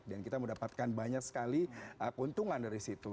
dan kita mendapatkan banyak sekali keuntungan dari situ